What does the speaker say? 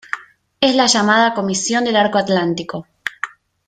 Es la llamada "Comisión del Arco Atlántico".